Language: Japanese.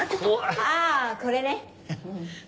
あー、これね。